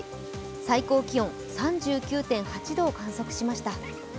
最高気温３９．８度を観測しました。